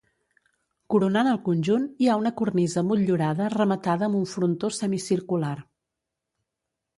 Coronant el conjunt hi ha una cornisa motllurada rematada amb un frontó semicircular.